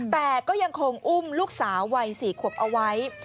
แต่ก็ยังคงอุ้มลูกสาววัย๔ขวบเอาไว้